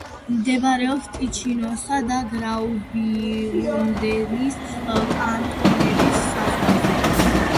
მდებარეობს ტიჩინოსა და გრაუბიუნდენის კანტონების საზღვარზე.